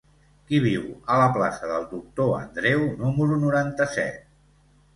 Qui viu a la plaça del Doctor Andreu número noranta-set?